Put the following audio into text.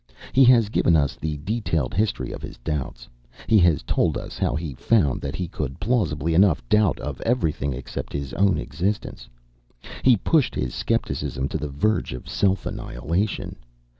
"He has given us the detailed history of his doubts. He has told us how he found that he could, plausibly enough, doubt of everything except his own existence. He pushed his scepticism to the verge of self annihilation.